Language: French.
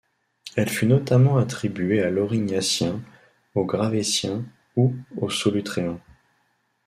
Elle fut notamment attribuée à l'Aurignacien, au Gravettien ou au Solutréen.